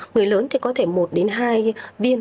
người lớn thì có thể một hai viên